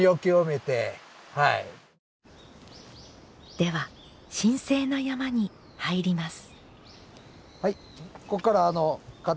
では神聖な山に入ります。